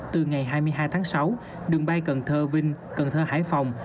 từ ngày hai mươi hai tháng sáu đường bay cần thơ vinh cần thơ hải phòng